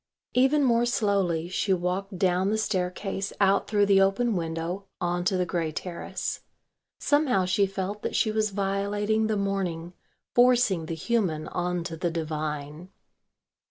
Even more slowly she walked down the staircase out through the open window on to the grey terrace. Somehow she felt that she was violating the morning, forcing the human on to the divine.